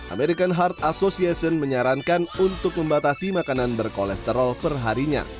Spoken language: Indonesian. american heart association menyarankan untuk membatasi makanan berkolesterol perharinya